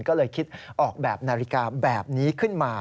ก็เลยคิดออกแบบนาฬิกาแบบนี้ขึ้นมา